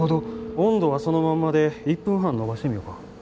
温度はそのままで１分半延ばしてみよか。